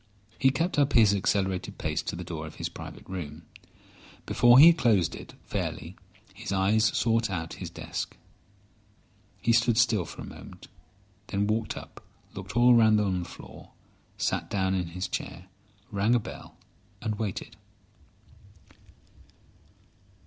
He kept up this accelerated pace to the door of his private room. Before he had closed it fairly his eyes sought his desk. He stood still for a moment, then walked up, looked all round on the floor, sat down in his chair, rang a bell, and waited.